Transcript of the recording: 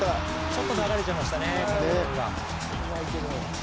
ちょっと流れてましたね。